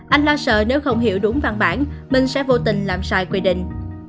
anh lo sợ nếu không hiểu đúng văn bản mình sẽ vô tình làm sai quy định